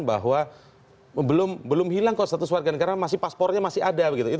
bahwa belum hilang status keluarga negara paspornya masih ada